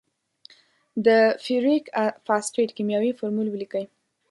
د فیریک فاسفیټ کیمیاوي فورمول ولیکئ.